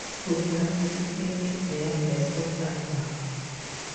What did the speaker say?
Fans could participate in their Best of Album.